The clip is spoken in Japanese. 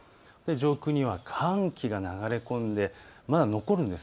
上空には寒気が流れ込んでまだ残るんです。